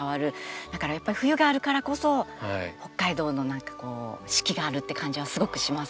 だからやっぱり冬があるからこそ北海道の四季があるって感じはすごくしますね。